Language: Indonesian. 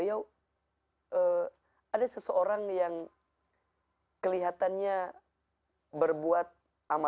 ada orang muda